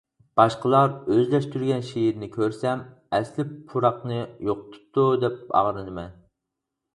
باشقىلار ئۆزلەشتۈرگەن شېئىرنى كۆرسەم ئەسلى پۇراقنى يوقىتىپتۇ دەپ ئاغرىنىمەن.